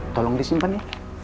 tolong disimpan ya